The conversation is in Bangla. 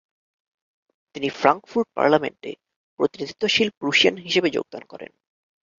তিনি ফ্রাংকফুর্ট পার্লামেন্টে প্রতিনিধিত্বশীল প্রুশিয়ান হিসেবে যোগদান করেন।